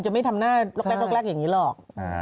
มันจะไม่ทำหน้าแร็กอย่างนี้หรอก